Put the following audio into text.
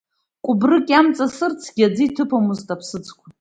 Кәыбрык иамҵасырцгьы, аӡы иҭыԥомызт аԥсыӡқәа.